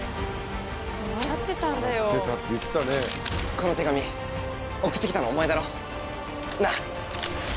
この手紙送ってきたのお前だろ？なぁ？